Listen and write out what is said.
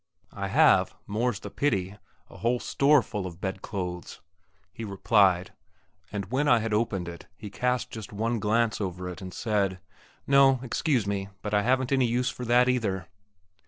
"I have more's the pity a whole store full of bed clothes," he replied; and when I had opened it he just cast one glance over it and said, "No, excuse me, but I haven't any use for that either."